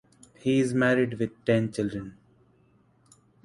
He is married with ten children.